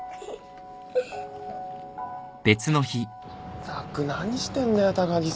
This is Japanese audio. ったく何してんだよ高木さん。